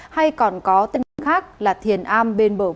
hay còn có tên khác là thiền am